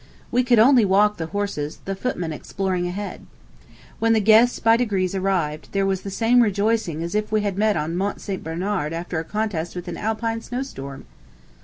We could only walk the horses, the footman exploring ahead. When the guests by degrees arrived, there was the same rejoicing as if we had met on Mont St. Bernard after a contest with an Alpine snow storm.